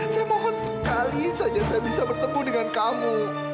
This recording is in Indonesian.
saya mohon sekali saja saya bisa bertemu dengan kamu